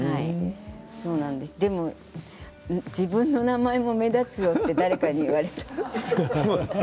でも、自分の名前も目立つよって誰かに言われた。